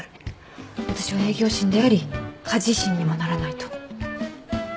私は営業神であり家事神にもならないと。